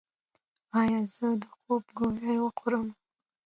ایا زه د خوب ګولۍ وخورم؟